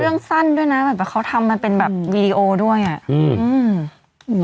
เหมือนเป็นเรื่องสั้นด้วยนะเขาทำมาเป็นแบบวีดีโอด้วยอ่ะ